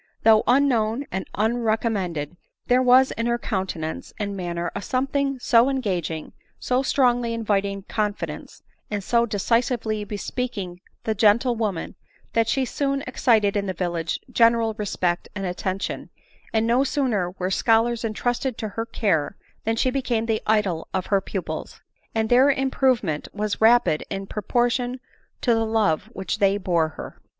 Though unknown and unrecom mended, there was in her countenance and manner a something so engagmg, so strongly inviting confidence, and 90 decisively bespeaking the gentlewoman, that she soon excited in die village general respect and attention ; and no sooner were scholars entrusted to her care, than she became the idol of her pupils ; and their improvement was rapid in proportion to the love which they bore her.